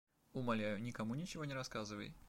Умоляю, никому ничего не рассказывай.